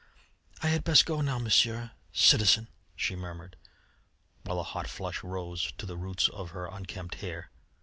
"I had best go now, Monsieur ... citizen," she murmured, while a hot flush rose to the roots of her unkempt hair.